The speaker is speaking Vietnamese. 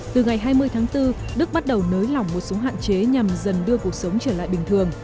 từ ngày hai mươi tháng bốn đức bắt đầu nới lỏng một số hạn chế nhằm dần đưa cuộc sống trở lại bình thường